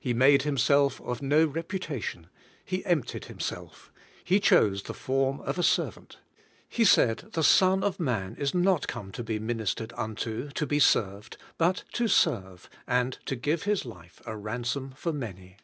He made Himself of no reputation ; He emptied Himself; He chose the form of a servant. He said: "The Son of Man is not come to be ministered unto, to be served, but to serve, and to give His life a ransom for many."